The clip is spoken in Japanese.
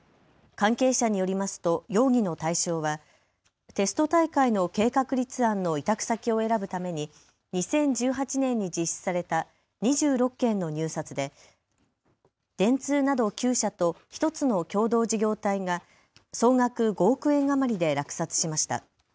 関係者によりますと容疑の対象はテスト大会の計画立案の委託先を選ぶために２０１８年に実施された２６件の入札で電通など９社と１つの共同事業体が総額５億円余りで落札しました。